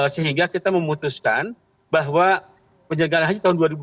sehingga kita memutuskan bahwa penjagaan haji tahun dua ribu dua puluh